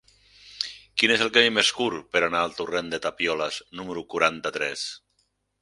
Quin és el camí més curt per anar al torrent de Tapioles número quaranta-tres?